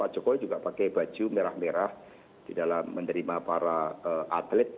jokowi juga pakai baju merah merah di dalam menerima para atlet